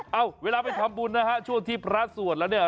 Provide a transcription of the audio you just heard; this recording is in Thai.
เอาเวลาไปทำบุญนะฮะช่วงที่พระสวดแล้วเนี่ย